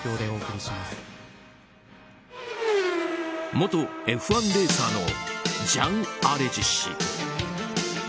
元Ｆ１レーサーのジャン・アレジ氏。